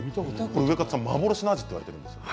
ウエカツさん、幻のアジって言われているんですって。